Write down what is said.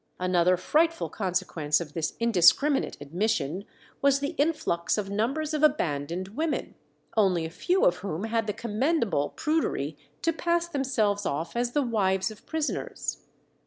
Another frightful consequence of this indiscriminate admission was the influx of numbers of abandoned women, only a few of whom had the commendable prudery to pass themselves off as the wives of prisoners.